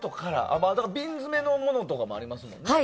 瓶詰のものもありますもんね。